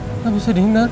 kita gak bisa diner pak